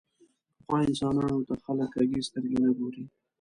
پخو انسانانو ته خلک کږې سترګې نه ګوري